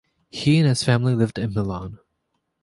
He and his family lived in Milan.